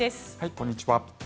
こんにちは。